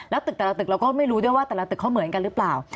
แล้วตึกแต่ละตึกเราก็ไม่รู้ด้วยว่าแต่ละตึกเขาเหมือนกันหรือเปล่า